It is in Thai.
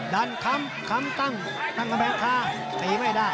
ดันคำคำตั้งตั้งกำแบงคาตีไม่ได้